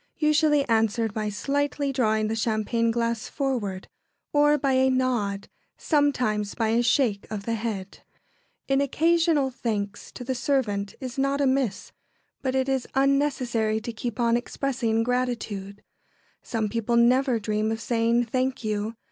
usually answered by slightly drawing the champagne glass forward, or by a nod; sometimes by a shake of the head. [Sidenote: Thanking servants.] An occasional "Thanks" to the servant is not amiss, but it is unnecessary to keep on expressing gratitude. Some people never dream of saying "Thank you."